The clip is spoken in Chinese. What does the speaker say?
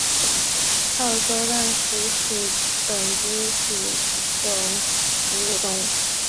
澳洲弹鼠属等之数种哺乳动物。